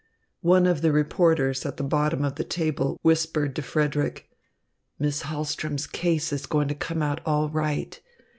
One of the reporters at the bottom of the table whispered to Frederick: "Miss Hahlström's case is going to come out all right.